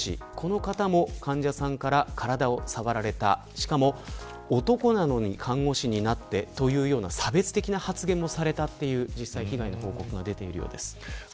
しかも、男なのに看護師になってというような差別的な発言もされたという被害の報告が出ているようです。